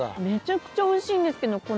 めちゃくちゃ美味しいんですけど